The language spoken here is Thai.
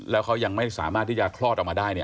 แล้วเขายังไม่สามารถที่จะคลอดออกมาได้